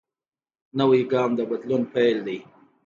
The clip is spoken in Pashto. نوی ګام د بدلون پیل دی